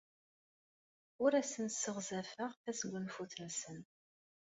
Ur asen-sseɣzafeɣ tasgunfut-nsen.